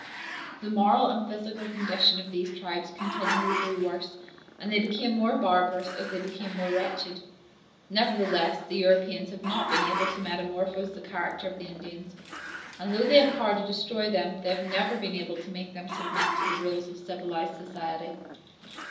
The moral and physical condition of these tribes continually grew worse, and they became more barbarous as they became more wretched. Nevertheless, the Europeans have not been able to metamorphose the character of the Indians; and though they have had power to destroy them, they have never been able to make them submit to the rules of civilized society.